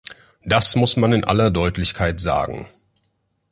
Das muss man in aller Deutlichkeit sagen.